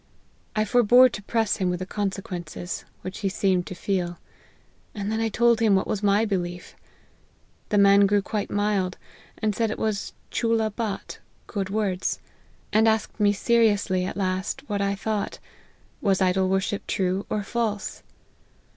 I forbore to press him with the consequences, which he seemed to feel ; and then I told him what was my belief. The man grew quite mild, and said it was chula bat (good words ;) and asked me seriously, at last, * Hindoo priests. LIFE OF HENRY MARTYN. 77 what I thought * was idol worship true or false